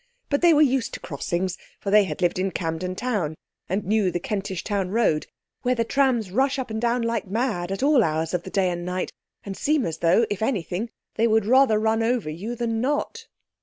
But they were used to crossings, for they had lived in Camden Town and knew the Kentish Town Road where the trams rush up and down like mad at all hours of the day and night, and seem as though, if anything, they would rather run over you than not.